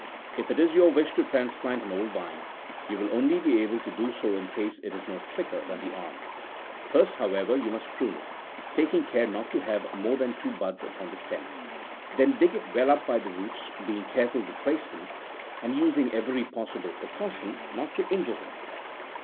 If it is your wish to transplant an old vine, you will only be able to do so in case it is no thicker than the arm : first, however, you must prune it, taking care not to have more than two buds upon the stem. Then dig it well up by the roots, being careful to trace them, and using every possible precaution not to injure them.